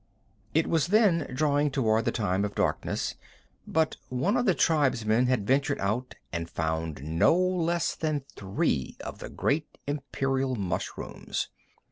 It was then drawing toward the time of darkness, but one of the tribesmen had ventured out and found no less than three of the great imperial mushrooms.